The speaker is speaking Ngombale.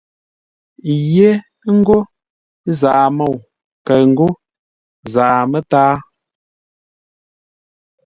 Yé ńgó «Zaa-môu» kəʉ ńgó «Zaa-mə́táa».